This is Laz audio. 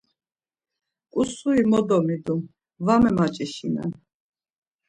Ǩusuri mo domidum, va memaç̌işinen.